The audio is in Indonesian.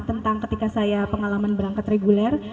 tentang ketika saya pengalaman berangkat reguler